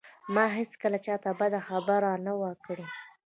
ما هېڅکله چاته بده خبره نه وه کړې